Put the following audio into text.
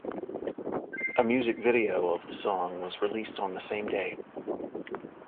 A music video of the song was released on the same day.